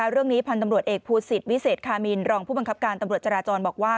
เรื่องนี้พันธ์ตำรวจเอกภูสิตวิเศษคามินรองผู้บังคับการตำรวจจราจรบอกว่า